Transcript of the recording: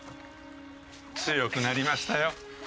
強くなりましたよ。